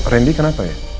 rendi kenapa ya